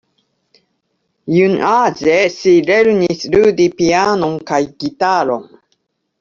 Junaĝe ŝi lernis ludi pianon kaj gitaron.